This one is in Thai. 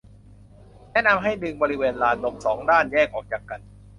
แนะนำให้ดึงบริเวณลานนม สอง ด้านแยกออกจากกัน